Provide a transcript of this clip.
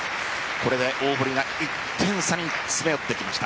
これで大堀が１点差に詰め寄ってきました。